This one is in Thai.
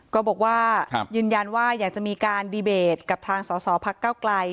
ก็บอกว่ายืนยันว่าอยากจะมีการดีเบตกับทางสอสอพักเก้าไกล